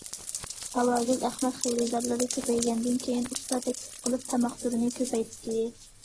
ھاۋاگۈل ئەخمەت خېرىدارلىرى كۆپەيگەندىن كېيىن ئۇستا تەكلىپ قىلىپ، تاماق تۈرىنى كۆپەيتتى.